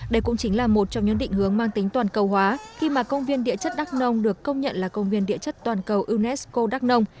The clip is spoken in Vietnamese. đây cũng chính là một trong những định hướng mang tính toàn cầu hóa khi mà công viên địa chất đắc nông được công nhận là công viên địa chất toàn cầu unesco đắk nông